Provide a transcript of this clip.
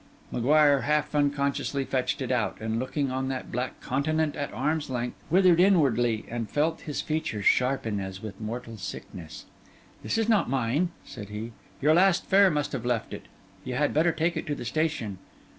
M'Guire half unconsciously fetched it out; and looking on that black continent at arm's length, withered inwardly and felt his features sharpen as with mortal sickness. 'This is not mine,' said he. 'Your last fare must have left it. You had better take it to the station.